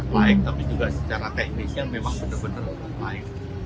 baik tapi juga secara teknisnya memang benar benar baik